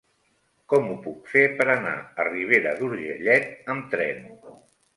Com ho puc fer per anar a Ribera d'Urgellet amb tren?